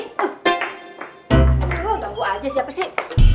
tunggu aja siapa sih